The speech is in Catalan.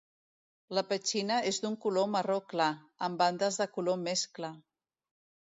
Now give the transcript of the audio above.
La petxina és d'un color marró clar, amb bandes de color més clar.